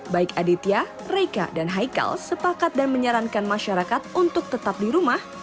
baik aditya reka dan haikal sepakat dan menyarankan masyarakat untuk tetap di rumah